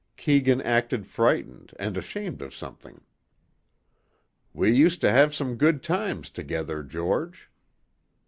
Keegan acted frightened and ashamed of something. "We used to have some good times together, George."